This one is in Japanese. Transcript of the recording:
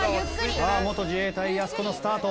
さあ元自衛隊やす子のスタート。